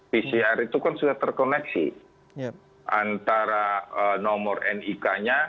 pcr itu kan sudah terkoneksi antara nomor nik nya